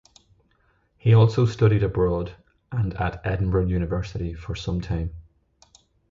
He also studied abroad and at Edinburgh University for some time.